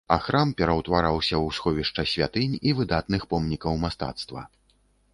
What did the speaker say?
А храм пераўтвараўся ў сховішча святынь і выдатных помнікаў мастацтва.